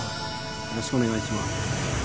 よろしくお願いします。